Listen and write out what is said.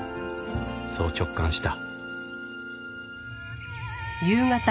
そう直感した